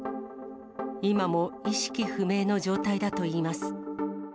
今も意識不明の状態だといいます。